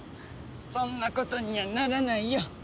そんなことにはならないよ。